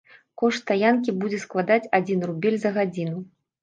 Кошт стаянкі будзе складаць адзін рубель за гадзіну.